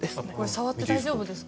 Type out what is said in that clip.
触って大丈夫ですか？